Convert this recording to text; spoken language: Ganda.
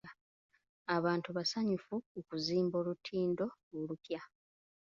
Abantu basanyufu ku kuzimba olutindo olupya.